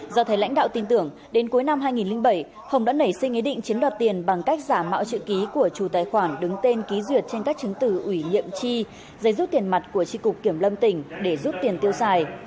do thầy lãnh đạo tin tưởng đến cuối năm hai nghìn bảy hồng đã nảy sinh ý định chiếm đoạt tiền bằng cách giả mạo chữ ký của chủ tài khoản đứng tên ký duyệt trên các chứng tử ủy nhiệm chi giấy rút tiền mặt của tri cục kiểm lâm tỉnh để giúp tiền tiêu xài